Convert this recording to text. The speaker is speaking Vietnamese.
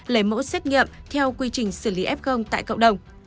lấy mẫu xét nghiệm theo quy trình xử lý ép không tại cộng đồng